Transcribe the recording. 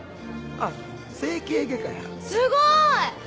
すごーい！